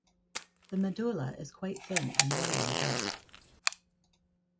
The medulla is quite thin and yellow above.